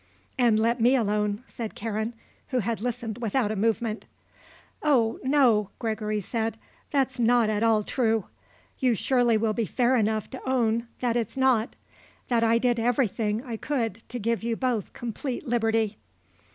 "And let me alone," said Karen, who had listened without a movement. "Oh no," Gregory said, "that's not at all true. You surely will be fair enough to own that it's not; that I did everything I could to give you both complete liberty."